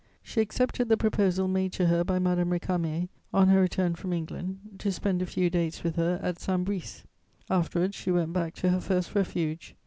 She accepted the proposal made to her by Madame Récamier, on her return from England, to spend a few days with her at Saint Brice; afterwards she went back to her first refuge.